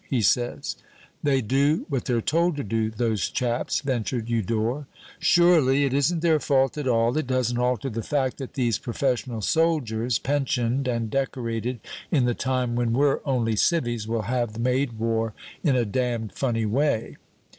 he says." "They do what they're told to do, those chaps," ventured Eudore. "Surely. It isn't their fault at all. It doesn't alter the fact that these professional soldiers, pensioned and decorated in the time when we're only civvies, will have made war in a damned funny way."